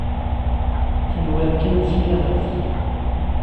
Tenwiḍ kan tesliḍ-as.